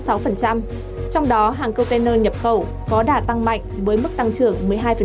trong đó hàng container nhập khẩu có đà tăng mạnh với mức tăng trưởng một mươi hai